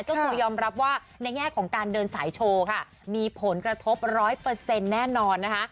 เจ้าตัวยอมรับว่าในแง่ของการเดินสายโชว์ค่ะมีผลกระทบร้อยเปอร์เซ็นต์แน่นอนนะคะ